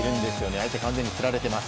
相手は完全につられています。